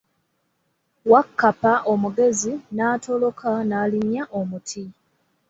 Wakkapa omugezi naatoloka n'alinya omuti.